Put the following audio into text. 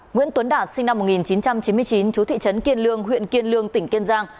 nguyễn tuấn đạt sinh năm một nghìn chín trăm chín mươi chín chú thị trấn kiên lương huyện kiên lương tỉnh kiên giang